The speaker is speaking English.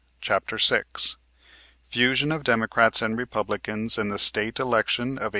CHAPTER VI FUSION OF DEMOCRATS AND REPUBLICANS IN THE STATE ELECTION OF 1873.